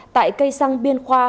tại cây xăng biên khoa